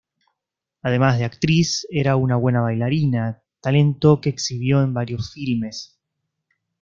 Además de actriz, era una buena bailarina, talento que exhibió en varios filmes.